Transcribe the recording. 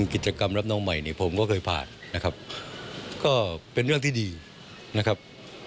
กิจกรรมรับน้องใหม่เนี่ยผมก็เคยผ่านนะครับก็เป็นเรื่องที่ดีนะครับ